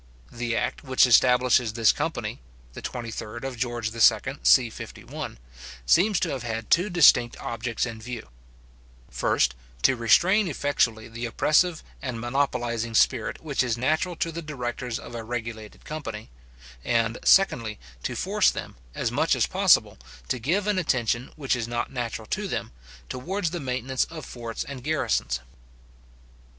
The act which establishes this company (the 23rd of George II. c.51 ), seems to have had two distinct objects in view; first, to restrain effectually the oppressive and monopolizing spirit which is natural to the directors of a regulated company; and, secondly, to force them, as much as possible, to give an attention, which is not natural to them, towards the maintenance of forts and garrisons.